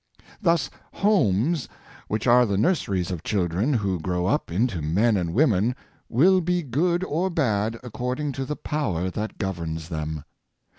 Thus homes, which are the nurseries of children who grow up into men and women, will be good or bad, ac cording to the power that governs them.